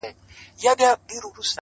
انسان حیوان دی ـ حیوان انسان دی ـ